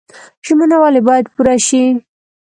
ژمنه ولې باید پوره شي؟